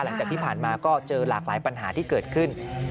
หลังจากที่ผ่านมาก็เจอหลากหลายปัญหาที่เกิดขึ้น